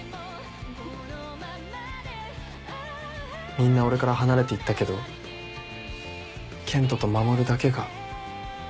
みんな俺から離れていったけど健人と守だけが一緒にいてくれた。